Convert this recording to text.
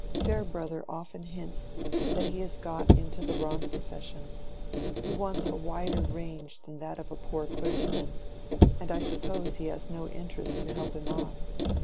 Farebrother often hints that he has got into the wrong profession; he wants a wider range than that of a poor clergyman, and I suppose he has no interest to help him on.